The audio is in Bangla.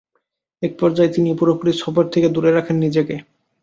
এক পর্যায়ে তিনি পুরোপুরি সফর থেকে দূরে রাখেন নিজেকে।